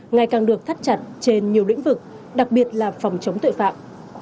ngày càng được thắt chặt trên nhiều lĩnh vực đặc biệt là phòng chống tội phạm